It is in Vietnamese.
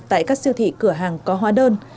tại các siêu thị cửa hàng có hóa đơn